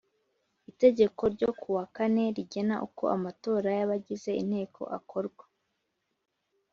Itegeko ryo Kuwa kane rigena uko amatora y abagize inteko akorwa